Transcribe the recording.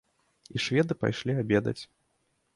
І шведы пайшлі абедаць.